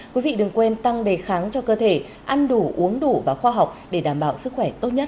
quý vị đừng quên tăng đề kháng cho cơ thể ăn đủ uống đủ và khoa học để đảm bảo sức khỏe tốt nhất